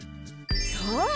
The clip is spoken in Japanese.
そう！